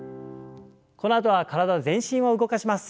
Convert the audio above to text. このあとは体全身を動かします。